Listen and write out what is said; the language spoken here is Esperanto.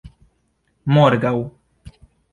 morgaŭ